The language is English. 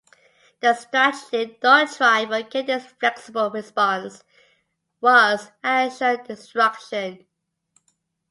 The strategic doctrine for Kennedy's Flexible response was Assured destruction.